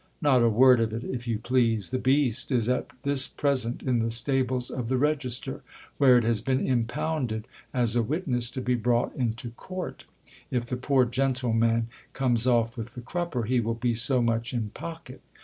Not a word of it, if you please : the beast is at this present in the stables of the register, where it has been impounded as a witness to be brought into court : if the poor gentleman comes off with the crupper, he will be so much in pocket.